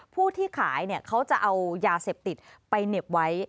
ผู้ที่ขายเขาจะเอายาเสพติดไปเหน็บไว้